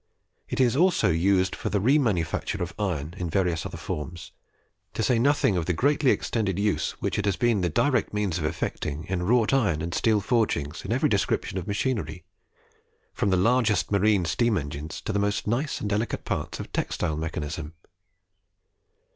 It is also used for the re manufacture of iron in various other forms, to say nothing of the greatly extended use which it has been the direct means of effecting in wrought iron and steel forgings in every description of machinery, from the largest marine steam engines to the most nice and delicate parts of textile mechanism.